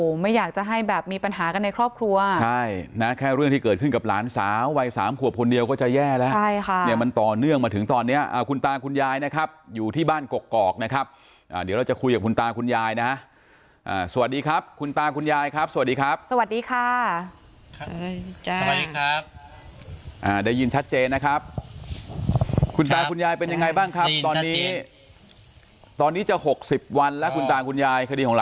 ผมไม่อยากจะให้แบบมีปัญหากันในครอบครัวใช่นะแค่เรื่องที่เกิดขึ้นกับหลานสาววัย๓ขวบคนเดียวก็จะแย่แล้วใช่ค่ะเนี่ยมันต่อเนื่องมาถึงตอนนี้คุณตาคุณยายนะครับอยู่ที่บ้านกรกกรอกนะครับเดี๋ยวเราจะคุยกับคุณตาคุณยายนะสวัสดีครับคุณตาคุณยายครับสวัสดีครับสวัสดีค่ะสวัสดีคร